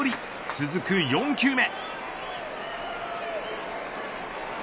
続く４球目。